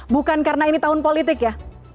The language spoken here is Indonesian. bukan karena ini tahun politik ya